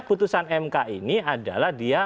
mekasialisasi mekasialisasi ini adalah dia